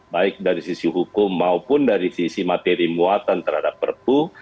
baik dari sisi hukum maupun dari sisi materi muatan terhadap perpu